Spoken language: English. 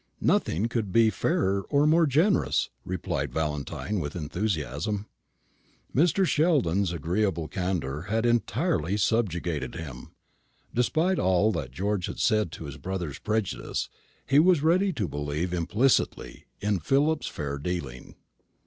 "Nothing could be fairer or more generous," replied Valentine with enthusiasm. Mr. Sheldon's agreeable candour had entirely subjugated him. Despite of all that George had said to his brother's prejudice, he was ready to believe implicitly in Philip's fair dealing.